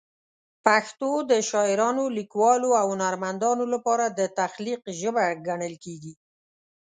پښتو د شاعرانو، لیکوالو او هنرمندانو لپاره د تخلیق ژبه ګڼل کېږي.